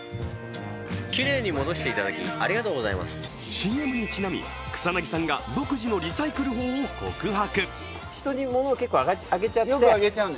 ＣＭにちなみ草なぎさんが独自のリサイクル法を告白。